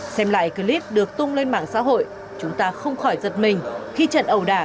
xem lại clip được tung lên mạng xã hội chúng ta không khỏi giật mình khi trận ẩu đả